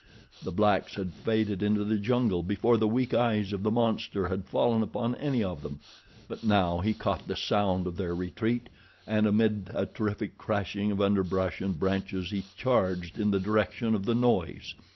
The blacks had faded into the jungle before the weak eyes of the monster had fallen upon any of them, but now he caught the sound of their retreat, and, amid a terrific crashing of underbrush and branches, he charged in the direction of the noise.